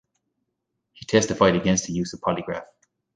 He testified against the use of polygraph.